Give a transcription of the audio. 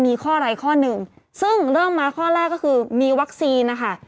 มีข้อใดข้อหนึ่งซึ่งเริ่มมาข้อแรกก็คือมีวัคซีนนะคะ